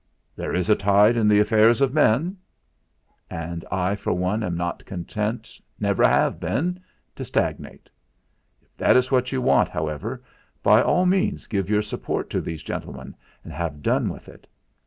'There is a tide in the affairs of men' and I for one am not content, never have been, to stagnate. If that is what you want, however, by all means give your support to these gentlemen and have done with it.